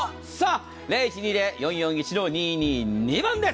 ０１２０‐４４１‐２２２番です。